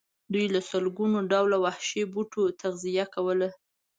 دوی له لسګونو ډوله وحشي بوټو تغذیه کوله.